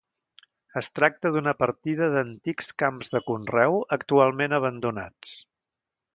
Es tracta d'una partida d'antics camps de conreu, actualment abandonats.